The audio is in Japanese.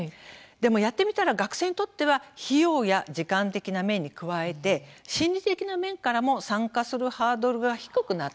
でもやってみたら学生にとっては費用や時間的な面に加えて心理的な面からも参加するハードルが低くなったと。